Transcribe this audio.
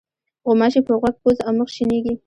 غوماشې په غوږ، پوزه او مخ شېنېږي.